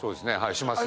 しますね。